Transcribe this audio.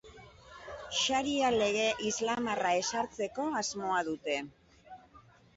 Sharia lege islamiarra ezartzeko asmoa dute.